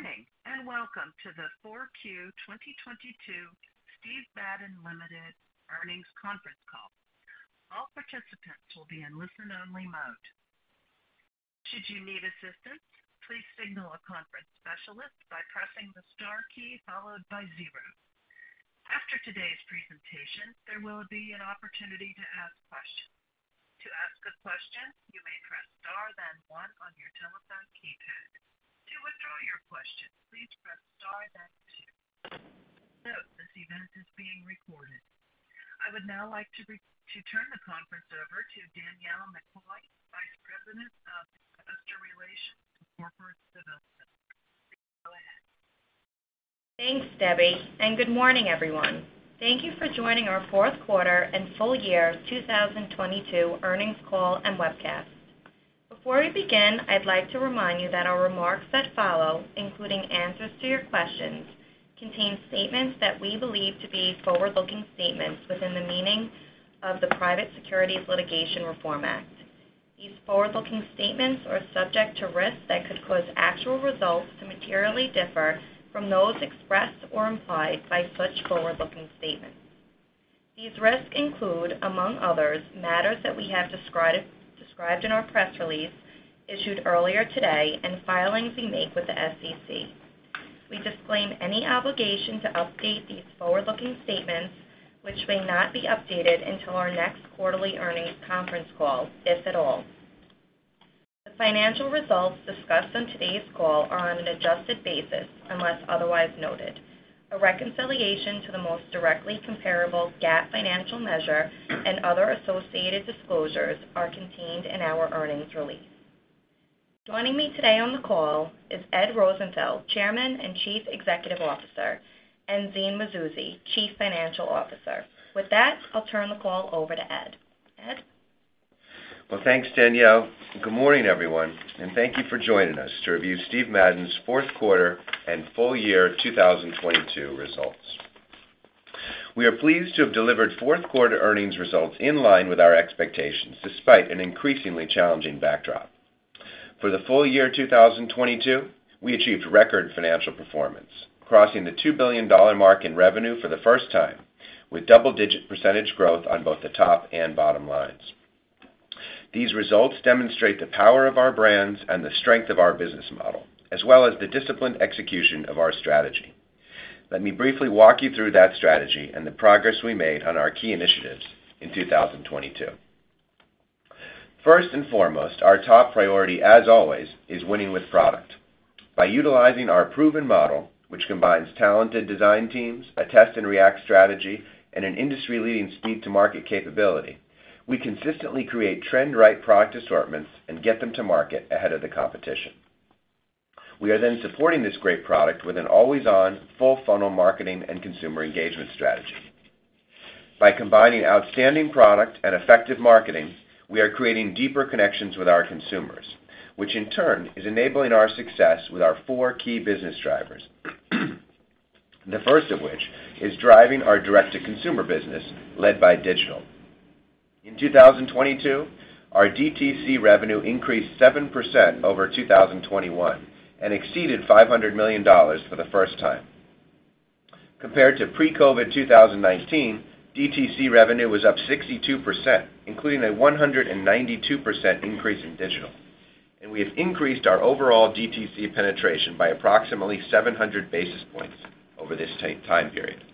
Good morning, welcome to the Q4 2022 Steven Madden, Ltd. Earnings Conference Call. All participants will be in listen-only mode. Should you need assistance, please signal a conference specialist by pressing the star key followed by zero. After today's presentation, there will be an opportunity to ask questions. To ask a question, you may press star then one on your telephone keypad. To withdraw your question, please press star then two. Note, this event is being recorded. I would now like to turn the conference over to Danielle McCoy, Vice President of Investor Relations and Corporate Development. Go ahead. Thanks, Debbie. Good morning, everyone. Thank you for joining our fourth quarter and full-year 2022 earnings call and webcast. Before we begin, I'd like to remind you that our remarks that follow, including answers to your questions, contain statements that we believe to be forward-looking statements within the meaning of the Private Securities Litigation Reform Act. These forward-looking statements are subject to risks that could cause actual results to materially differ from those expressed or implied by such forward-looking statements. These risks include, among others, matters that we have described in our press release issued earlier today and filings we make with the SEC. We disclaim any obligation to update these forward-looking statements, which may not be updated until our next quarterly earnings conference call, if at all. The financial results discussed on today's call are on an adjusted basis, unless otherwise noted. A reconciliation to the most directly comparable GAAP financial measure and other associated disclosures are contained in our earnings release. Joining me today on the call is Ed Rosenfeld, Chairman and Chief Executive Officer, and Zine Mazouzi, Chief Financial Officer. With that, I'll turn the call over to Ed. Ed? Well, thanks, Danielle. Good morning, everyone, thank you for joining us to review Steve Madden's fourth quarter and full-year 2022 results. We are pleased to have delivered fourth quarter earnings results in line with our expectations, despite an increasingly challenging backdrop. For the full-year 2022, we achieved record financial performance, crossing the $2 billion mark in revenue for the first time, with double-digit % growth on both the top and bottom lines. These results demonstrate the power of our brands and the strength of our business model, as well as the disciplined execution of our strategy. Let me briefly walk you through that strategy and the progress we made on our key initiatives in 2022. First and foremost, our top priority, as always, is winning with product. By utilizing our proven model, which combines talented design teams, a test-and-react strategy, and an industry-leading speed-to-market capability, we consistently create trend-right product assortments and get them to market ahead of the competition. We are supporting this great product with an always-on, full-funnel marketing and consumer engagement strategy. By combining outstanding product and effective marketing, we are creating deeper connections with our consumers, which in turn is enabling our success with our four key business drivers, the first of which is driving our direct-to-consumer business led by digital. In 2022, our DTC revenue increased 7% over 2021 and exceeded $500 million for the first time. Compared to pre-COVID 2019, DTC revenue was up 62%, including a 192% increase in digital, and we have increased our overall DTC penetration by approximately 700 basis points over this time period.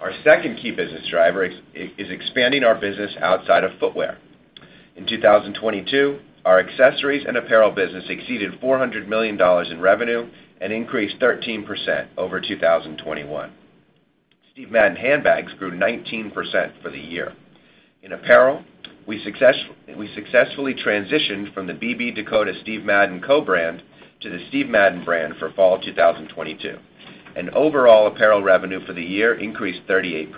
Our second key business driver is expanding our business outside of footwear. In 2022, our accessories and apparel business exceeded $400 million in revenue and increased 13% over 2021. Steven Madden handbags grew 19% for the year. In apparel, we successfully transitioned from the BB Dakota Steven Madden co-brand to the Steven Madden brand for fall 2022. Overall apparel revenue for the year increased 38%.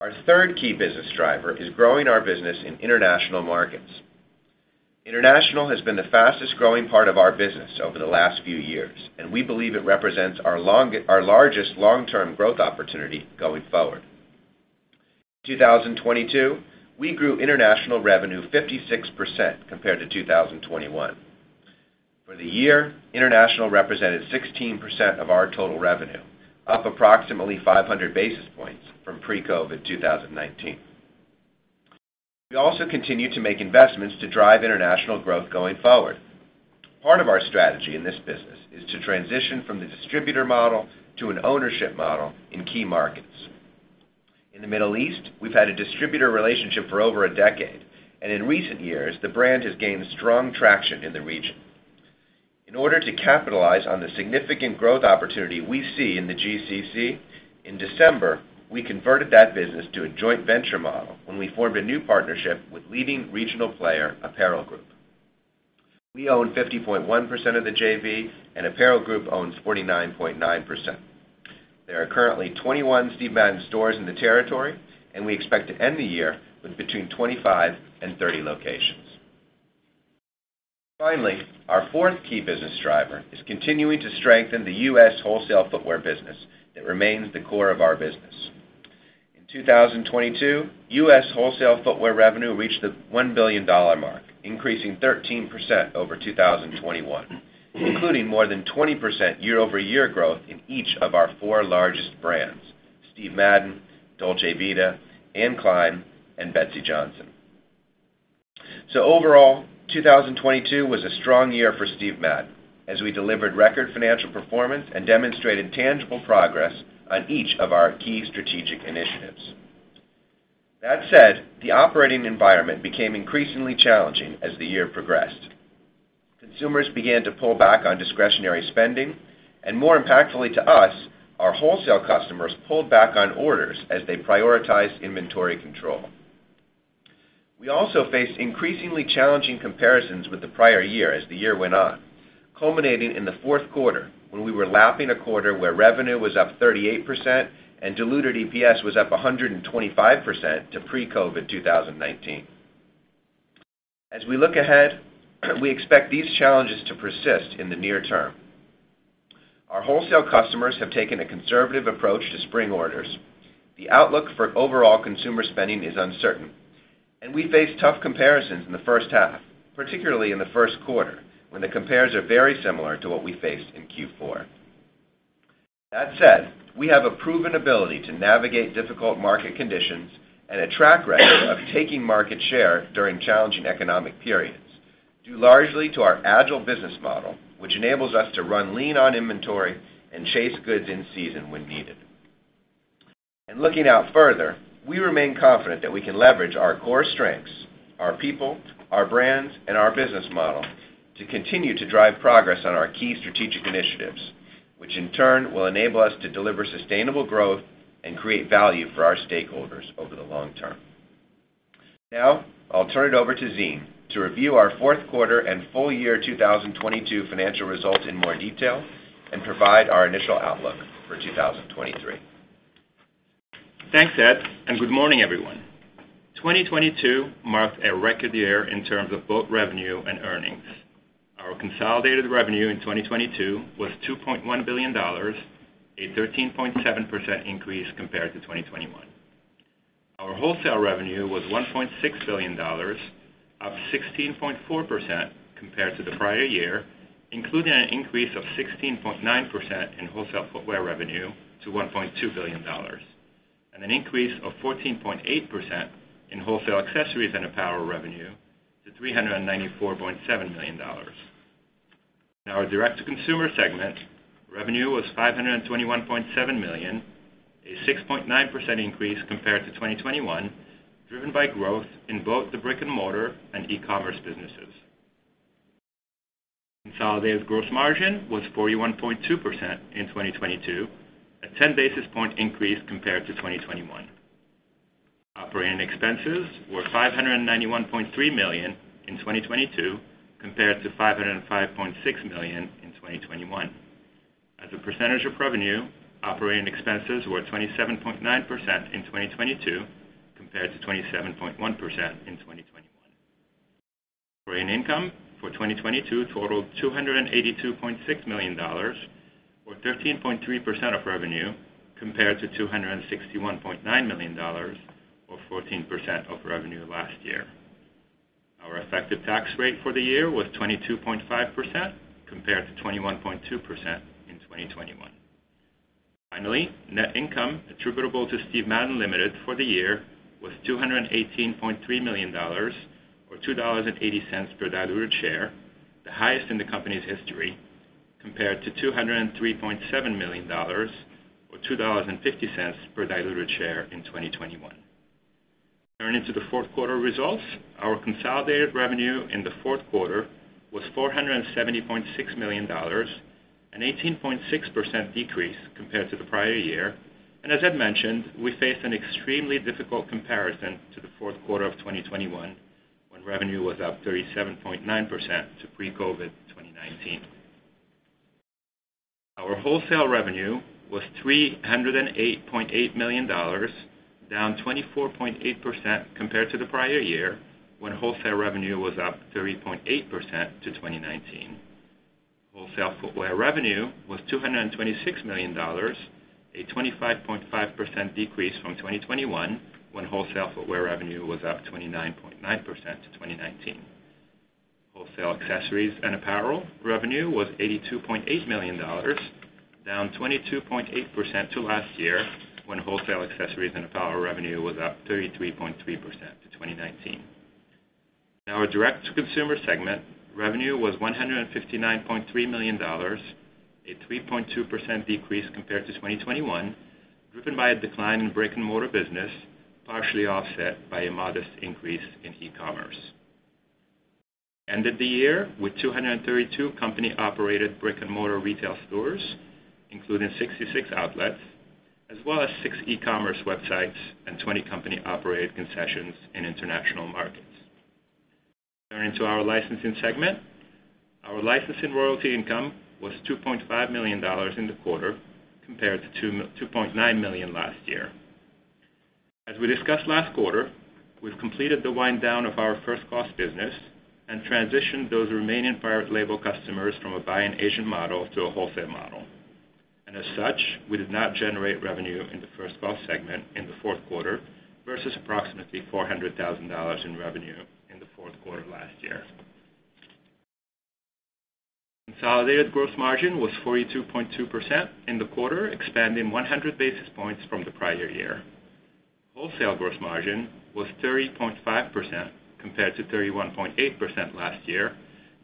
Our third key business driver is growing our business in international markets. International has been the fastest-growing part of our business over the last few years, and we believe it represents our largest long-term growth opportunity going forward. In 2022, we grew international revenue 56% compared to 2021. For the year, international represented 16% of our total revenue, up approximately 500 basis points from pre-COVID 2019. We also continue to make investments to drive international growth going forward. Part of our strategy in this business is to transition from the distributor model to an ownership model in key markets. In the Middle East, we've had a distributor relationship for over a decade, and in recent years, the brand has gained strong traction in the region. In order to capitalize on the significant growth opportunity we see in the GCC, in December, we converted that business to a joint venture model when we formed a new partnership with leading regional player, Apparel Group. We own 50.1% of the JV, and Apparel Group owns 49.9%. There are currently 21 Steve Madden stores in the territory, and we expect to end the year with between 25 and 30 locations. Finally, our fourth key business driver is continuing to strengthen the US wholesale footwear business that remains the core of our business. In 2022, US wholesale footwear revenue reached the $1 billion mark, increasing 13% over 2021, including more than 20% year-over-year growth in each of our four largest brands, Steve Madden, Dolce Vita, Anne Klein, and Betsey Johnson. Overall, 2022 was a strong year for Steven Madden, as we delivered record financial performance and demonstrated tangible progress on each of our key strategic initiatives. That said, the operating environment became increasingly challenging as the year progressed. Consumers began to pull back on discretionary spending, and more impactfully to us, our wholesale customers pulled back on orders as they prioritized inventory control. We also faced increasingly challenging comparisons with the prior year as the year went on, culminating in the fourth quarter, when we were lapping a quarter where revenue was up 38% and diluted EPS was up 125% to pre-COVID 2019. As we look ahead, we expect these challenges to persist in the near term. Our wholesale customers have taken a conservative approach to spring orders. The outlook for overall consumer spending is uncertain, and we face tough comparisons in the first half, particularly in the first quarter, when the compares are very similar to what we faced in Q4. That said, we have a proven ability to navigate difficult market conditions and a track record of taking market share during challenging economic periods, due largely to our agile business model, which enables us to run lean on inventory and chase goods in season when needed. Looking out further, we remain confident that we can leverage our core strengths, our people, our brands, and our business model to continue to drive progress on our key strategic initiatives, which in turn will enable us to deliver sustainable growth and create value for our stakeholders over the long term. I'll turn it over to Zine to review our fourth quarter and full-year 2022 financial results in more detail and provide our initial outlook for 2023. Thanks, Ed. Good morning, everyone. 2022 marked a record year in terms of both revenue and earnings. Our consolidated revenue in 2022 was $2.1 billion, a 13.7% increase compared to 2021. Our wholesale revenue was $1.6 billion, up 16.4% compared to the prior year, including an increase of 16.9% in wholesale footwear revenue to $1.2 billion, and an increase of 14.8% in wholesale accessories and apparel revenue to $394.7 million. In our direct-to-consumer segment, revenue was $521.7 million, a 6.9% increase compared to 2021, driven by growth in both the brick-and-mortar and e-commerce businesses. Consolidated gross margin was 41.2% in 2022, a 10 basis point increase compared to 2021. Operating expenses were $591.3 million in 2022 compared to $505.6 million in 2021. As a percentage of revenue, operating expenses were 27.9% in 2022 compared to 27.1% in 2021. Operating income for 2022 totaled $282.6 million, or 13.3% of revenue compared to $261.9 million, or 14% of revenue last year. Our effective tax rate for the year was 22.5% compared to 21.2% in 2021. Finally, net income attributable to Steven Madden, Ltd. for the year was $218.3 million, or $2.80 per diluted share, the highest in the company's history, compared to $203.7 million, or $2.50 per diluted share in 2021. Turning to the fourth quarter results. Our consolidated revenue in the fourth quarter was $470.6 million, an 18.6% decrease compared to the prior year. As I've mentioned, we faced an extremely difficult comparison to the fourth quarter of 2021, when revenue was up 37.9% to pre-COVID 2019. Our wholesale revenue was $308.8 million, down 24.8% compared to the prior year, when wholesale revenue was up 30.8% to 2019. Wholesale footwear revenue was $226 million, a 25.5% decrease from 2021, when wholesale footwear revenue was up 29.9% to 2019. Wholesale accessories and apparel revenue was $82.8 million, down 22.8% to last year, when wholesale accessories and apparel revenue was up 33.3% to 2019. In our direct-to-consumer segment, revenue was $159.3 million, a 3.2% decrease compared to 2021, driven by a decline in brick-and-mortar business, partially offset by a modest increase in e-commerce. Ended the year with 232 company-operated brick-and-mortar retail stores, including 66 outlets, as well as six e-commerce websites and 20 company-operated concessions in international markets. Turning to our licensing segment. Our licensing royalty income was $2.5 million in the quarter compared to $2.9 million last year. As we discussed last quarter, we've completed the wind down of our First-Class business and transitioned those remaining private label customers from a buy-in agent model to a wholesale model. As such, we did not generate revenue in the First-class segment in the fourth quarter versus approximately $400,000 in revenue in the fourth quarter last year. Consolidated gross margin was 42.2% in the quarter, expanding 100 basis points from the prior year. Wholesale gross margin was 30.5% compared to 31.8% last year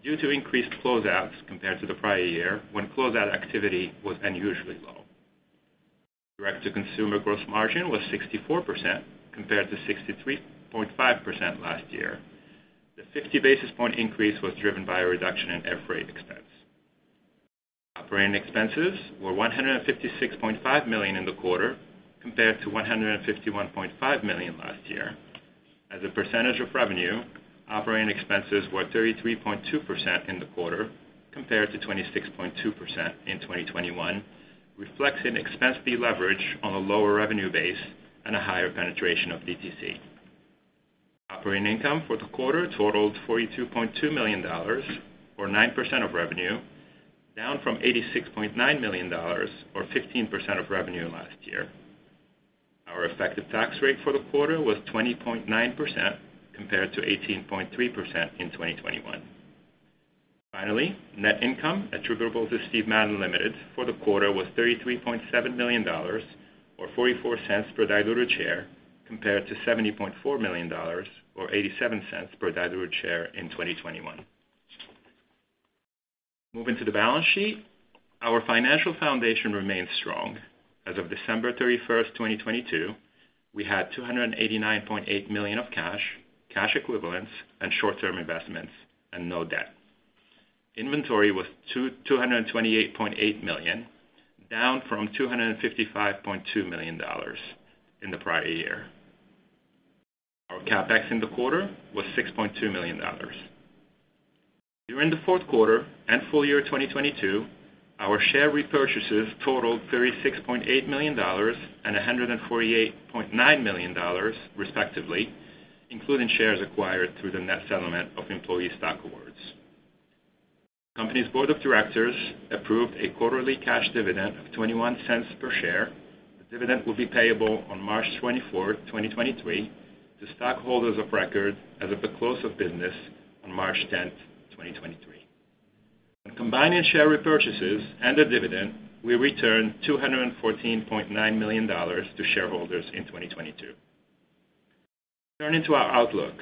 due to increased closeouts compared to the prior year when closeout activity was unusually low. Direct-to-consumer gross margin was 64% compared to 63.5% last year. The 50 basis point increase was driven by a reduction in air freight expense. Operating expenses were $156.5 million in the quarter compared to $151.5 million last year. As a percentage of revenue, operating expenses were 33.2% in the quarter compared to 26.2% in 2021, reflecting expense deleverage on a lower revenue base and a higher penetration of DTC. Operating income for the quarter totaled $42.2 million or 9% of revenue, down from $86.9 million or 15% of revenue last year. Our effective tax rate for the quarter was 20.9% compared to 18.3% in 2021. Finally, net income attributable to Steven Madden, Ltd. for the quarter was $33.7 million or $0.44 per diluted share, compared to $70.4 million or $0.87 per diluted share in 2021. Moving to the balance sheet. Our financial foundation remains strong. As of December 31, 2022, we had $289.8 million of cash equivalents, and short-term investments and no debt. Inventory was $228.8 million, down from $255.2 million in the prior year. Our CapEx in the quarter was $6.2 million. During the fourth quarter and full-year 2022, our share repurchases totaled $36.8 million and $148.9 million, respectively, including shares acquired through the net settlement of employee stock awards. Company's board of directors approved a quarterly cash dividend of $0.21 per share. The dividend will be payable on March 24, 2023 to stockholders of record as of the close of business on March 10, 2023. When combining share repurchases and the dividend, we returned $214.9 million to shareholders in 2022. Turning to our outlook.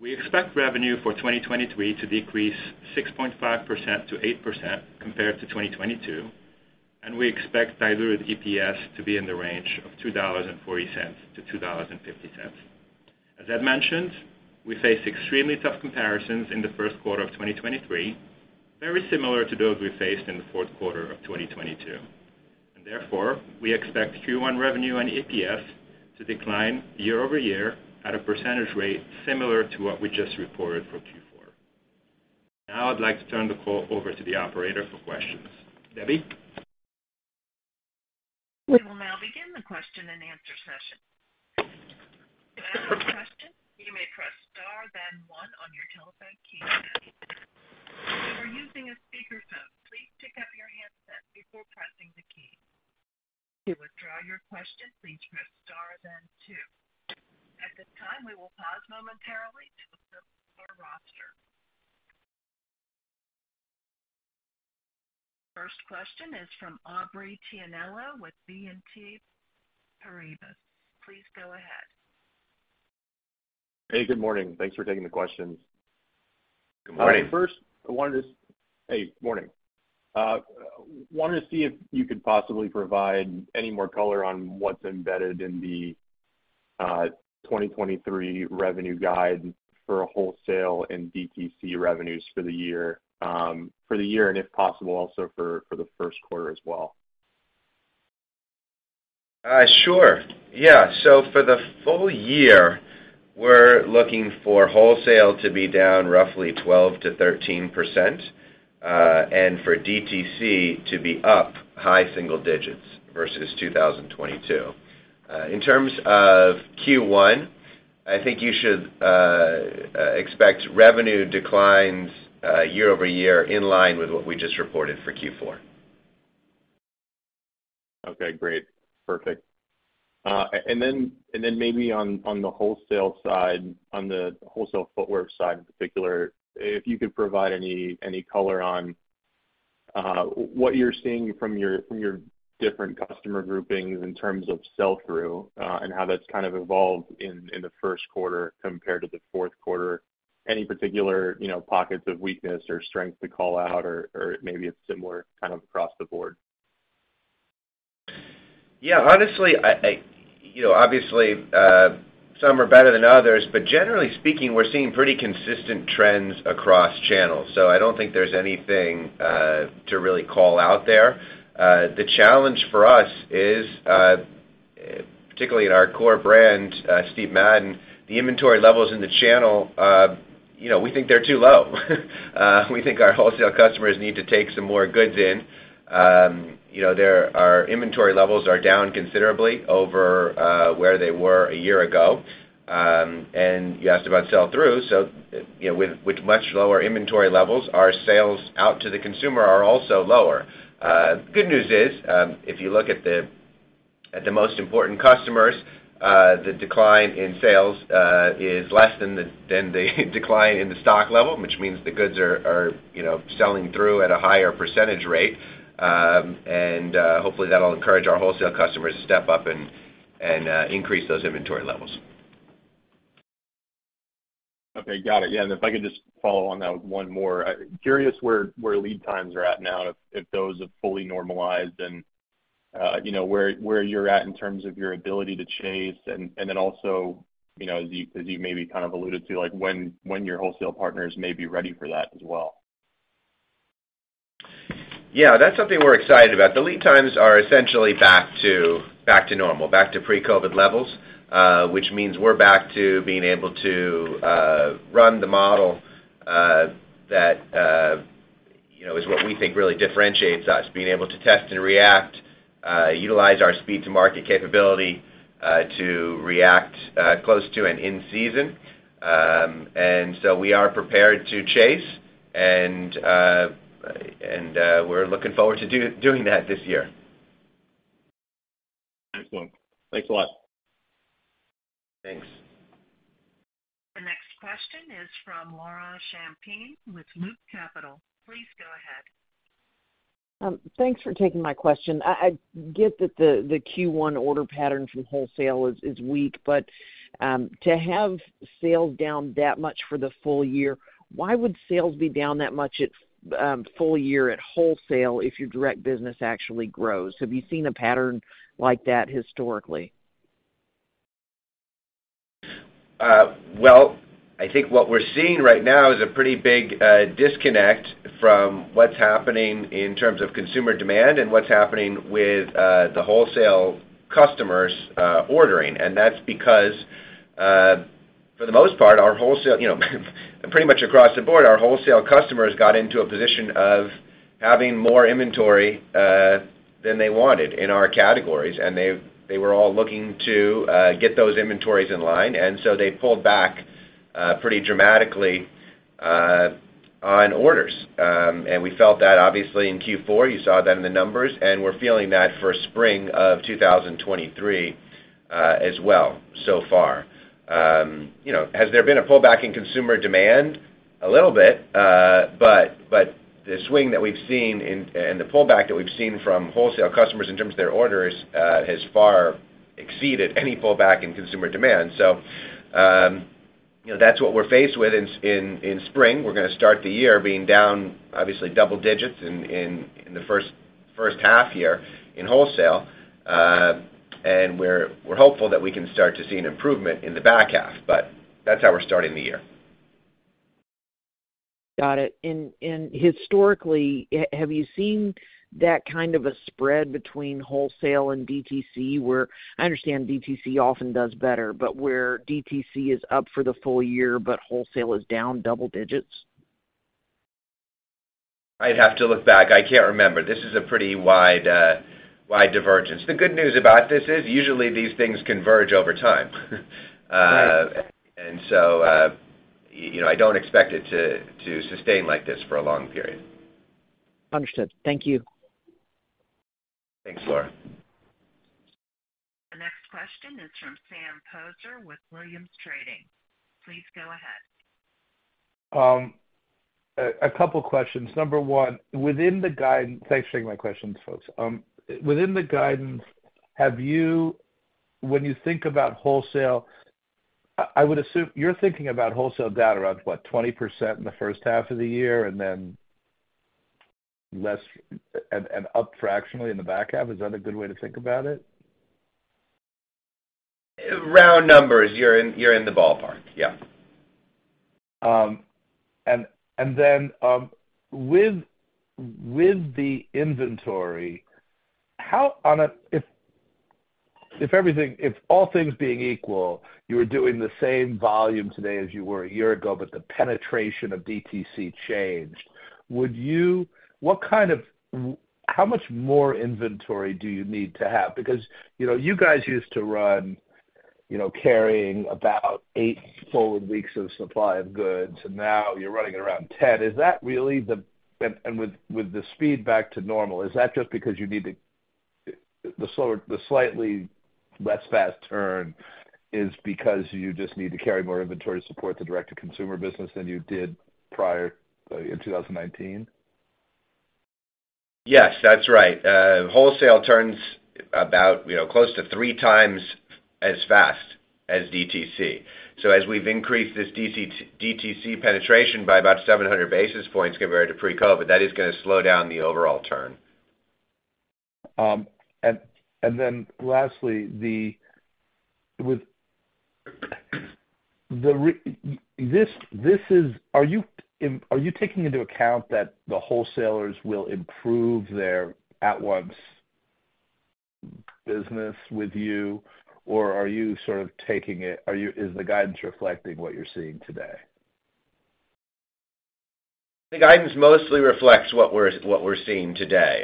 We expect revenue for 2023 to decrease 6.5%-8% compared to 2022, and we expect diluted EPS to be in the range of $2.40-$2.50. As Ed mentioned, we face extremely tough comparisons in the first quarter of 2023, very similar to those we faced in the fourth quarter of 2022. Therefore, we expect Q1 revenue and EPS to decline year-over-year at a percentage rate similar to what we just reported for Q4. I'd like to turn the call over to the operator for questions. Debbie? We will now begin the question-and-answer session. To ask a question, you may press star then one on your telephone keypad. If you are using a speakerphone, please pick up your handset before pressing the key. To withdraw your question, please press star then two. At this time, we will pause momentarily to assess our roster. First question is from Aubrey Tianello with BNP Paribas. Please go ahead. Hey, good morning. Thanks for taking the questions. Good morning. First, hey, morning. wanted to see if you could possibly provide any more color on what's embedded in the 2023 revenue guide for wholesale and DTC revenues for the year, and if possible, also for the first quarter as well. Sure. For the full-year, we're looking for wholesale to be down roughly 12%-13%, and for DTC to be up high single digits versus 2022. In terms of Q1, I think you should expect revenue declines year-over-year in line with what we just reported for Q4. Okay, great. Perfect. Then maybe on the wholesale side, on the wholesale footwear side in particular, if you could provide any color on what you're seeing from your different customer groupings in terms of sell-through, and how that's kind of evolved in the first quarter compared to the fourth quarter. Any particular, you know, pockets of weakness or strength to call out or maybe it's similar kind of across the board. Honestly, you know, obviously, some are better than others, but generally speaking, we're seeing pretty consistent trends across channels. I don't think there's anything to really call out there. The challenge for us is, particularly in our core brand, Steve Madden, the inventory levels in the channel. You know, we think they're too low. We think our wholesale customers need to take some more goods in. You know, our inventory levels are down considerably over where they were a year ago. You asked about sell-through, you know, with much lower inventory levels, our sales out to the consumer are also lower. Good news is, if you look at the most important customers, the decline in sales is less than the decline in the stock level, which means the goods are, you know, selling through at a higher percentage rate. Hopefully that'll encourage our wholesale customers to step up and increase those inventory levels. Okay. Got it. Yeah. If I could just follow on that with one more. Curious where lead times are at now, if those have fully normalized and, you know, where you're at in terms of your ability to chase and then also, you know, as you maybe kind of alluded to, like, when your wholesale partners may be ready for that as well. Yeah. That's something we're excited about. The lead times are essentially back to normal, back to pre-COVID levels, which means we're back to being able to run the model that, you know, is what we think really differentiates us, being able to test-and-react, utilize our speed-to-market capability, to react close to an in-season. We are prepared to chase, and we're looking forward to doing that this year. Excellent. Thanks a lot. Thanks. The next question is from Laura Champine with Loop Capital. Please go ahead. Thanks for taking my question. I get that the Q1 order pattern from wholesale is weak. To have sales down that much for the full-year, why would sales be down that much at full-year at wholesale if your direct business actually grows? Have you seen a pattern like that historically? Well, I think what we're seeing right now is a pretty big disconnect from what's happening in terms of consumer demand and what's happening with the wholesale customers ordering. That's because, for the most part, our wholesale. You know, pretty much across the board, our wholesale customers got into a position of having more inventory than they wanted in our categories, and they were all looking to get those inventories in line. They pulled back pretty dramatically on orders. We felt that obviously in Q4, you saw that in the numbers, and we're feeling that for spring of 2023 as well so far. You know, has there been a pullback in consumer demand? A little bit. The swing that we've seen and the pullback that we've seen from wholesale customers in terms of their orders, has far exceeded any pullback in consumer demand. You know, that's what we're faced with in spring. We're gonna start the year being down obviously double digits in the first half year in wholesale. We're hopeful that we can start to see an improvement in the back half. That's how we're starting the year. Got it. Historically, have you seen that kind of a spread between wholesale and DTC, where I understand DTC often does better, but where DTC is up for the full-year, but wholesale is down double digits? I'd have to look back. I can't remember. This is a pretty wide divergence. The good news about this is usually these things converge over time. Right. You know, I don't expect it to sustain like this for a long period. Understood. Thank you. Thanks, Laura. The next question is from Sam Poser with Williams Trading. Please go ahead. A couple questions. Number one, within the guidance. Thanks for taking my questions, folks. Within the guidance, when you think about wholesale, I would assume you're thinking about wholesale down around what? 20% in the first half of the year and then less and up fractionally in the back half. Is that a good way to think about it? Round numbers, you're in the ballpark, yeah. With the inventory, if all things being equal, you were doing the same volume today as you were a year ago, but the penetration of DTC changed, how much more inventory do you need to have? You know, you guys used to run, you know, carrying about eight full weeks of supply of goods, and now you're running around 10. With the speed back to normal, is that just because you need the slightly less fast turn is because you just need to carry more inventory to support the direct-to-consumer business than you did prior in 2019? Yes, that's right. Wholesale turns about, you know, close to three times as fast as DTC. As we've increased DTC penetration by about 700 basis points compared to pre-COVID, that is gonna slow down the overall turn. Then lastly, are you taking into account that the wholesalers will improve their at-once business with you or is the guidance reflecting what you're seeing today? The guidance mostly reflects what we're seeing today.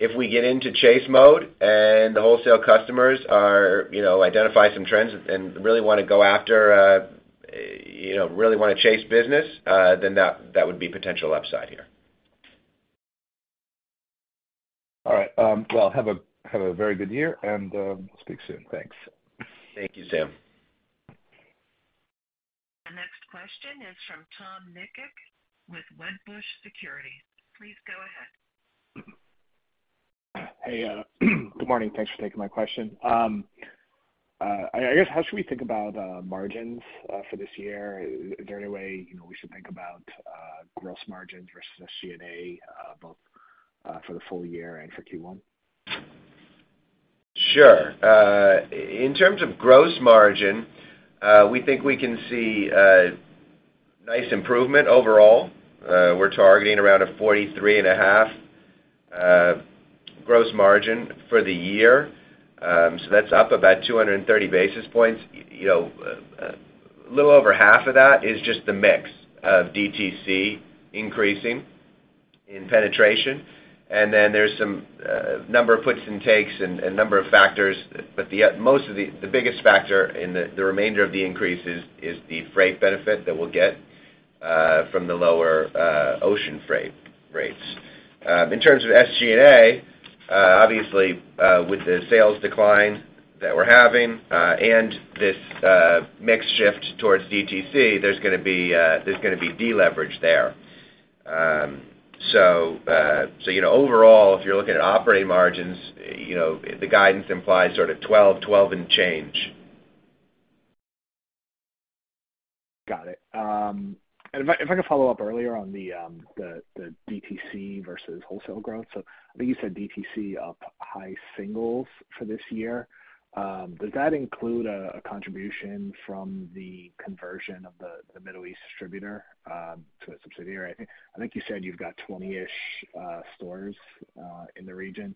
If we get into chase mode and the wholesale customers are, you know, identify some trends and really wanna go after, you know, really wanna chase business, then that would be potential upside here. All right. well, have a very good year and, speak soon. Thanks. Thank you, Sam. The next question is from Tom Nikic with Wedbush Securities. Please go ahead. Hey, good morning. Thanks for taking my question. I guess how should we think about margins for this year? Is there any way, you know, we should think about gross margins versus the SG&A, both for the full-year and for Q1? Sure. In terms of gross margin, we think we can see nice improvement overall. We're targeting around a 43.5% gross margin for the year. That's up about 230 basis points. You know, a little over half of that is just the mix of DTC increasing in penetration. There's some number of puts and takes and number of factors. The biggest factor in the remainder of the increases is the freight benefit that we'll get from the lower ocean freight rates. In terms of SG&A, obviously, with the sales decline that we're having, and this mix shift towards DTC, there's gonna be deleverage there. You know, overall, if you're looking at operating margins, you know, the guidance implies sort of 12 and change. Got it. If I can follow up earlier on the DTC versus wholesale growth. I think you said DTC up high singles for this year. Does that include a contribution from the conversion of the Middle East distributor to a subsidiary? I think you said you've got 20-ish stores in the region.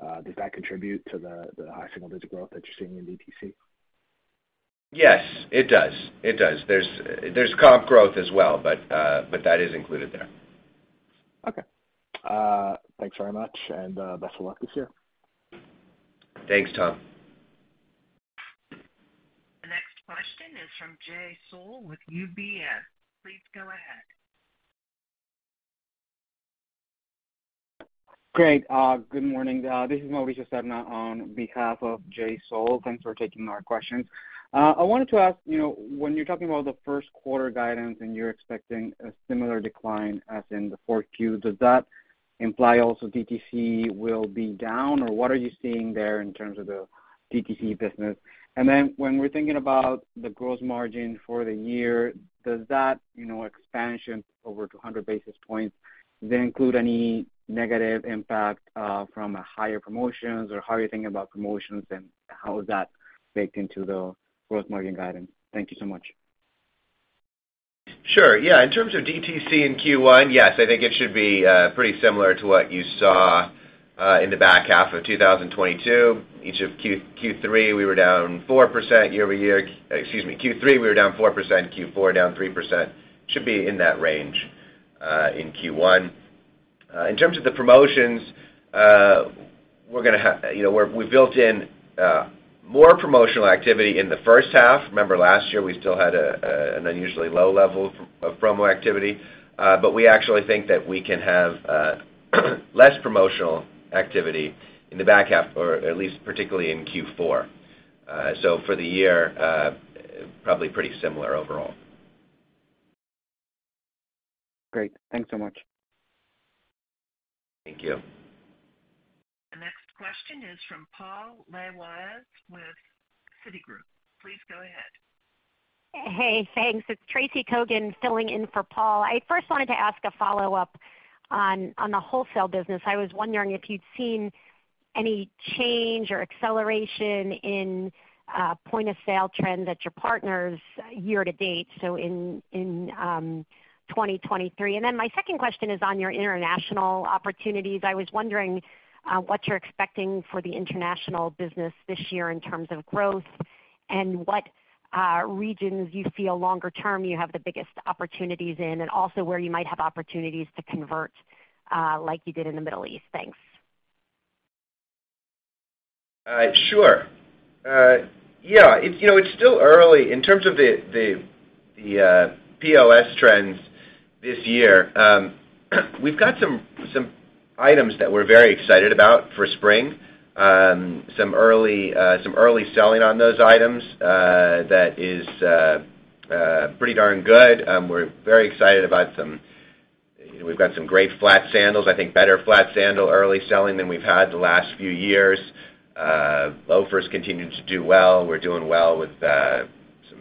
Does that contribute to the high single-digit growth that you're seeing in DTC? Yes, it does. It does. There's comp growth as well, but that is included there. Okay. Thanks very much, and, best of luck this year. Thanks, Tom. The next question is from Jay Sole with UBS. Please go ahead. Great. Good morning. This is Mauricio Serna on behalf of Jay Sole. Thanks for taking our questions. I wanted to ask, you know, when you're talking about the first quarter guidance and you're expecting a similar decline as in the Q4, does that imply also DTC will be down? What are you seeing there in terms of the DTC business? When we're thinking about the gross margin for the year, does that, you know, expansion over 200 basis points, does that include any negative impact from higher promotions, or how are you thinking about promotions and how is that baked into the growth margin guidance? Thank you so much. Sure. Yeah. In terms of DTC in Q1, yes, I think it should be pretty similar to what you saw in the back half of 2022. Each of Q3, we were down 4% year-over-year. Excuse me, Q3, we were down 4%, Q4, down 3%. Should be in that range in Q1. In terms of the promotions, we're gonna have you know, we built in more promotional activity in the first half. Remember last year, we still had a, an unusually low level of promo activity, but we actually think that we can have less promotional activity in the back half or at least particularly in Q4. For the year, probably pretty similar overall. Great. Thanks so much. Thank you. The next question is from Paul Lejuez with Citigroup. Please go ahead. Hey, thanks. It's Tracy Kogan filling in for Paul. I first wanted to ask a follow-up on the wholesale business. I was wondering if you'd seen any change or acceleration in point of sale trends at your partners year-to-date, so in 2023. My second question is on your international opportunities. I was wondering what you're expecting for the international business this year in terms of growth and what regions you feel longer term you have the biggest opportunities in, and also where you might have opportunities to convert like you did in the Middle East. Thanks. Sure. Yeah, it's, you know, it's still early. In terms of the POS trends this year, we've got some items that we're very excited about for spring. Some early selling on those items that is pretty darn good. We're very excited about some. We've got some great flat sandals, I think better flat sandal early selling than we've had the last few years. Loafers continue to do well. We're doing well with some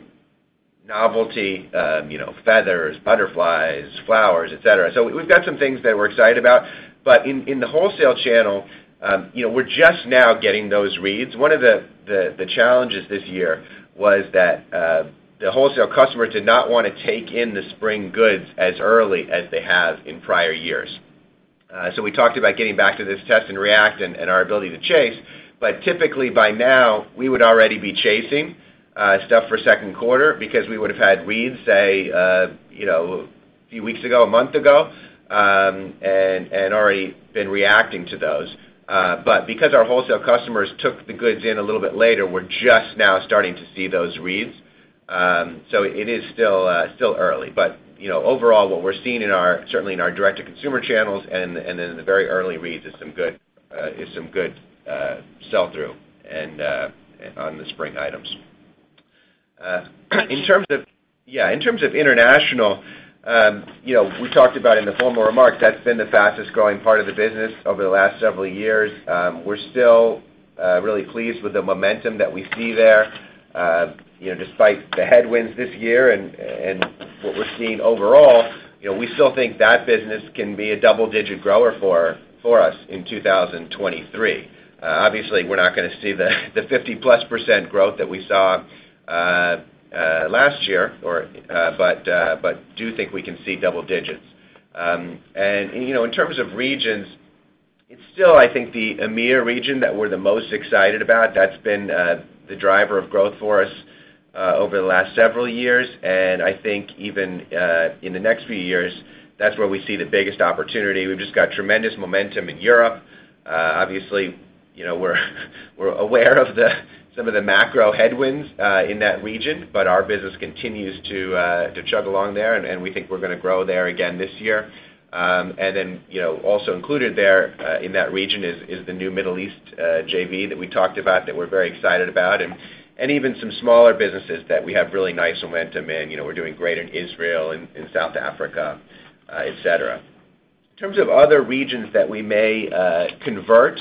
novelty, you know, feathers, butterflies, flowers, et cetera. We've got some things that we're excited about. In the wholesale channel, you know, we're just now getting those reads. One of the challenges this year was that the wholesale customer did not wanna take in the spring goods as early as they have in prior years. We talked about getting back to this test-and-react and our ability to chase. Typically by now, we would already be chasing stuff for second quarter because we would have had reads, say, you know, a few weeks ago, a month ago, and already been reacting to those. Because our wholesale customers took the goods in a little bit later, we're just now starting to see those reads. It is still early. You know, overall, what we're seeing certainly in our direct-to-consumer channels and, in the very early reads is some good sell-through and on the spring items. In terms of international, you know, we talked about in the formal remarks, that's been the fastest-growing part of the business over the last several years. We're still really pleased with the momentum that we see there. You know, despite the headwinds this year and, what we're seeing overall, you know, we still think that business can be a double-digit grower for us in 2023. Obviously, we're not gonna see the 50+% growth that we saw last year or, but do think we can see double digits. You know, in terms of regions, it's still, I think, the EMEA region that we're the most excited about. That's been the driver of growth for us over the last several years. I think even in the next few years, that's where we see the biggest opportunity. We've just got tremendous momentum in Europe. Obviously, you know, we're aware of some of the macro headwinds in that region, but our business continues to chug along there, and we think we're gonna grow there again this year. Then, you know, also included there in that region is the new Middle East JV that we talked about, that we're very excited about. Even some smaller businesses that we have really nice momentum in. You know, we're doing great in Israel, in South Africa, et cetera. In terms of other regions that we may convert,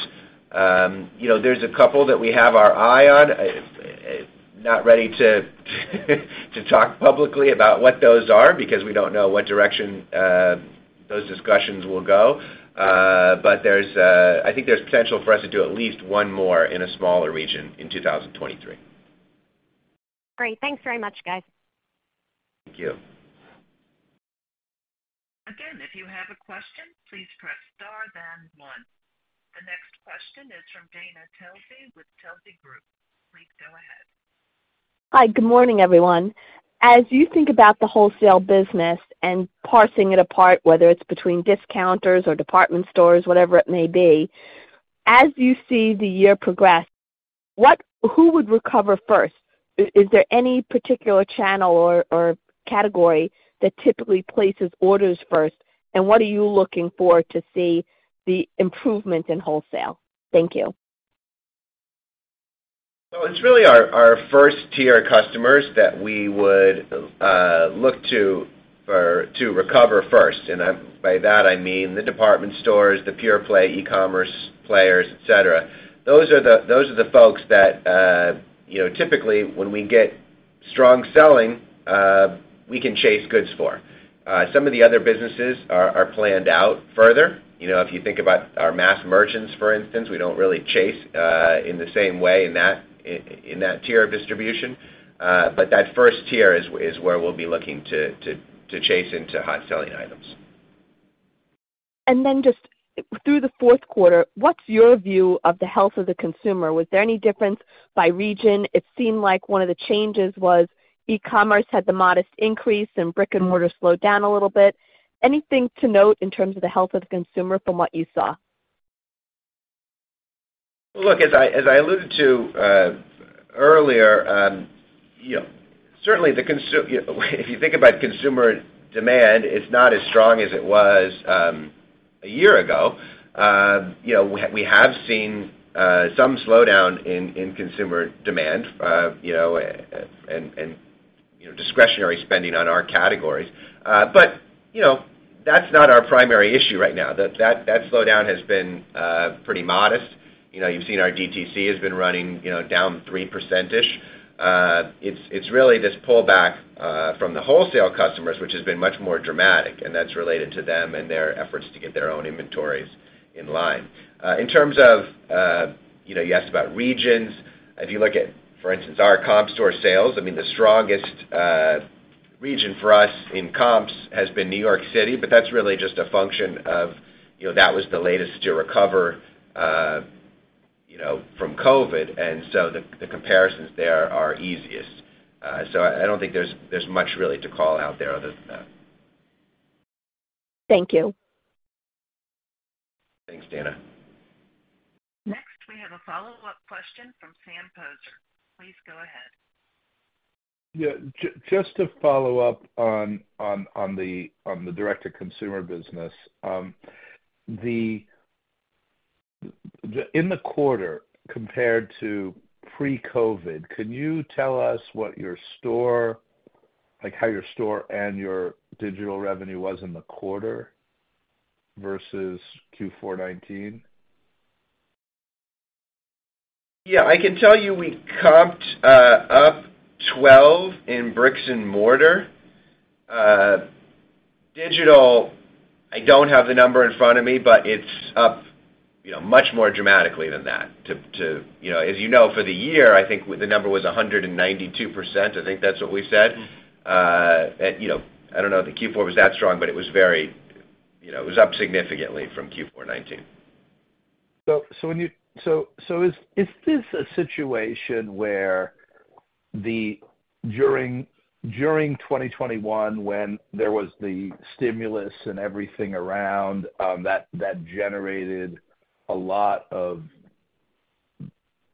you know, there's a couple that we have our eye on. Not ready to talk publicly about what those are because we don't know what direction those discussions will go. There's I think there's potential for us to do at least one more in a smaller region in 2023. Great. Thanks very much, guys. Thank you. Again, if you have a question, please press star then one. The next question is from Dana Telsey with Telsey Group. Please go ahead. Hi. Good morning, everyone. As you think about the wholesale business and parsing it apart, whether it's between discounters or department stores, whatever it may be, as you see the year progress, who would recover first? Is there any particular channel or category that typically places orders first? What are you looking for to see the improvement in wholesale? Thank you. It's really our first-tier customers that we would look to to recover first. by that I mean the department stores, the pure play eCommerce players, et cetera. Those are the folks that, you know, typically, when we get strong selling, we can chase goods for. Some of the other businesses are planned out further. You know, if you think about our mass merchants, for instance, we don't really chase in the same way in that tier of distribution. That first tier is where we'll be looking to chase into hot selling items. Just through the fourth quarter, what's your view of the health of the consumer? Was there any difference by region? It seemed like one of the changes was eCommerce had the modest increase, and brick and mortar slowed down a little bit. Anything to note in terms of the health of the consumer from what you saw? Look, as I, as I alluded to, earlier, you know, certainly If you think about consumer demand, it's not as strong as it was, a year ago. You know, we have seen some slowdown in consumer demand, you know, and, you know, discretionary spending on our categories. You know, that's not our primary issue right now. That slowdown has been pretty modest. You know, you've seen our DTC has been running, you know, down 3%-ish. It's, it's really this pullback from the wholesale customers, which has been much more dramatic, and that's related to them and their efforts to get their own inventories in line. In terms of, you know, you asked about regions. If you look at, for instance, our comp store sales, I mean, the strongest region for us in comps has been New York City, but that's really just a function of, you know, that was the latest to recover, you know, from COVID. The comparisons there are easiest. I don't think there's much really to call out there other than that. Thank you. Thanks, Dana. Next, we have a follow-up question from Sam Poser. Please go ahead. Yeah. Just to follow up on the direct-to-consumer business. In the quarter, compared to pre-COVID, can you tell us like how your store and your digital revenue was in the quarter versus Q4 19? Yeah. I can tell you we comped up 12 in bricks and mortar. Digital, I don't have the number in front of me, but it's up. You know, much more dramatically than that to. You know, as you know, for the year, I think the number was 192%. I think that's what we said. You know, I don't know if the Q4 was that strong, but it was very, you know, it was up significantly from Q4 2019. When is this a situation where during 2021 when there was the stimulus and everything around, that generated a lot of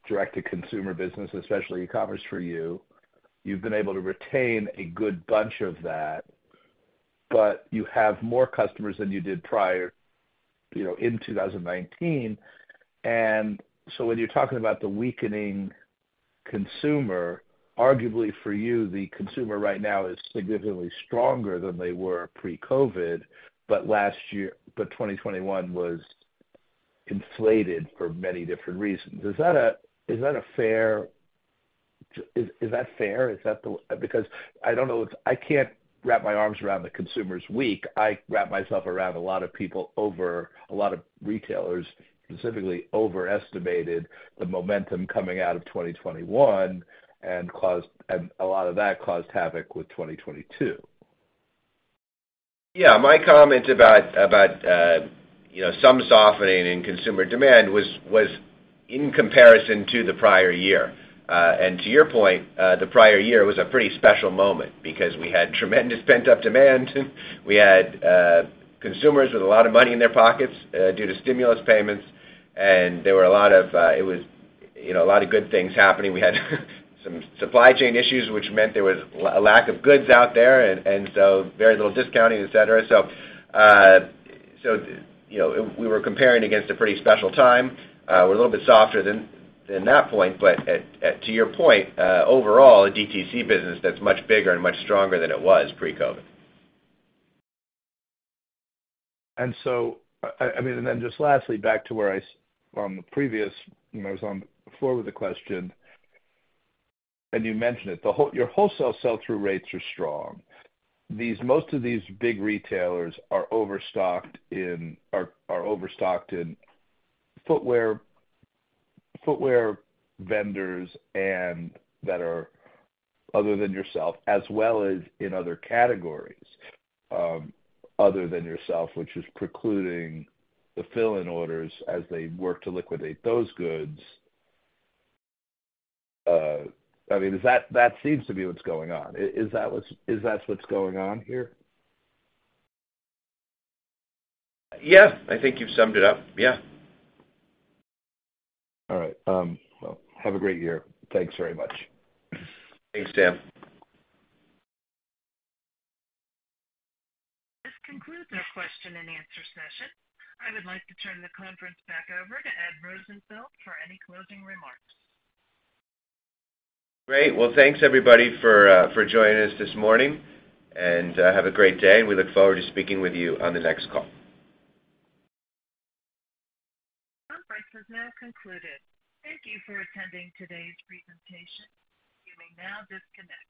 direct-to-consumer business, especially e-commerce for you've been able to retain a good bunch of that, but you have more customers than you did prior, you know, in 2019. When you're talking about the weakening consumer, arguably for you, the consumer right now is significantly stronger than they were pre-COVID, but last year but 2021 was inflated for many different reasons. Is that a fair? Is that fair? Is that the? Because I don't know if I can't wrap my arms around the consumer's week. I wrap myself around a lot of people over a lot of retailers, specifically overestimated the momentum coming out of 2021 and a lot of that caused havoc with 2022. Yeah. My comment about, you know, some softening in consumer demand was in comparison to the prior year. To your point, the prior year was a pretty special moment because we had tremendous pent-up demand. We had consumers with a lot of money in their pockets, due to stimulus payments, and there were a lot of, it was, you know, a lot of good things happening. We had some supply chain issues, which meant there was a lack of goods out there, and so very little discounting, et cetera. You know, we were comparing against a pretty special time. We're a little bit softer than that point. At to your point, overall, a DTC business that's much bigger and much stronger than it was pre-COVID. I mean, then just lastly, back to where I on the previous, when I was on the floor with the question, and you mentioned it, your wholesale sell-through rates are strong. Most of these big retailers are overstocked in footwear vendors and that are other than yourself, as well as in other categories, other than yourself, which is precluding the fill-in orders as they work to liquidate those goods. I mean, That seems to be what's going on. Is that what's going on here? Yes. I think you've summed it up. Yeah. All right. Well, have a great year. Thanks very much. Thanks, Dan. This concludes our question-and-answer session. I would like to turn the conference back over to Ed Rosenfeld for any closing remarks. Great. Well, thanks everybody for joining us this morning, and have a great day. We look forward to speaking with you on the next call. Conference has now concluded. Thank you for attending today's presentation. You may now disconnect.